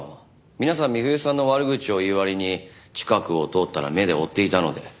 皆さん美冬さんの悪口を言う割に近くを通ったら目で追っていたので。